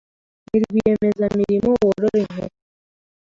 Ni rwiyemezamirimo worora inkoko